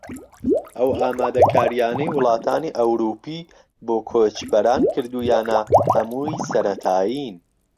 ئەو ئامادەکارییانەی وڵاتانی ئەوروپی بۆ کۆچبەران کردوویانە هەمووی سەرەتایین